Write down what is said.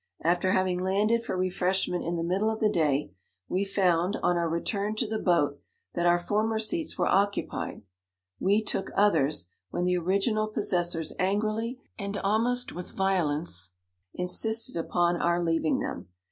After having landed for re freshment in the middle of the day, we found, on our return to the boat, that our former seats were occupied ; we took others, when the original posses sors angrily, and almost with violence, insisted upon our leaving them.